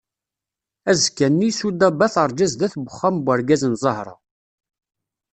Azekka-nni sudaba terǧa sdat n uxxam n urgaz n Zahra.